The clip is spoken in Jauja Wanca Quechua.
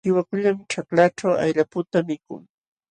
Chiwakullam ćhaklaaćhu ayraputa mikun.